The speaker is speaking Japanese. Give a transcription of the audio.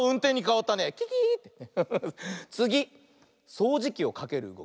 そうじきをかけるうごき。